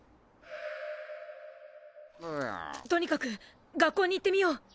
とにかく学校に行ってみよう！